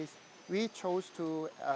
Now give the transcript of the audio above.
dalam hal kita